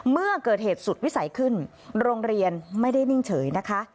เมื่อเกิดเหตุสุดวิสัยขึ้นโรงเรียนไม่ได้นิ่งเฉยนะคะ